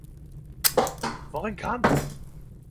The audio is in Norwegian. For ein kamp!